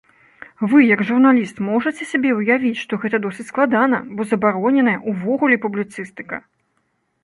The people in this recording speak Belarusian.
Вы, як журналіст, можаце сабе ўявіць, што гэта досыць складана, бо забароненая ўвогуле публіцыстыка!